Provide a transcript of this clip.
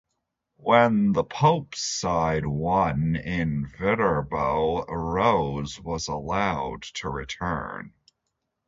When the pope's side won in Viterbo, Rose was allowed to return.